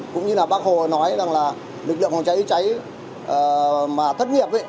cũng như là bác hồ nói rằng là lực lượng phòng cháy cháy mà thất nghiệp